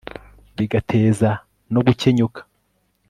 bigateza no gukenyuka